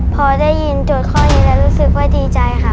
พอได้ยินโจทย์ข้อนี้แล้วรู้สึกว่าดีใจค่ะ